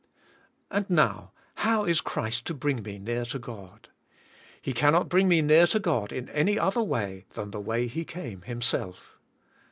And now, how is Christ to bring me near to God ? He cannot bring me near to God in any other way than the way He came Himself.